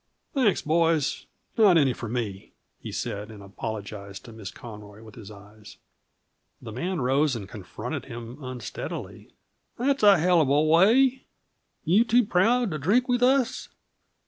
"Thanks, boys not any for me," he said, and apologized to Miss Conroy with his eyes. The man rose and confronted him unsteadily. "Dat's a hell off a way! You too proud for drink weeth us?